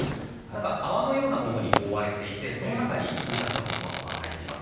泡のようなものに覆われていてその中に数百の卵が入っています。